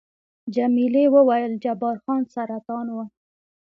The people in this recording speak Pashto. جميلې وويل:، جبار خان سرطان وو؟